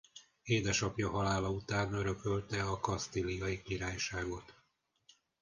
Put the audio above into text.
Édesapja halála után örökölte a Kasztíliai Királyságot.